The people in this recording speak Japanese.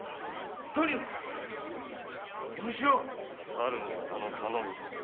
さるお方の頼みだ。